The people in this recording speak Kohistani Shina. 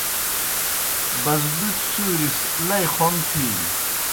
بزدُکیْ سُوریْ سہ لئی خون تِھینیْ۔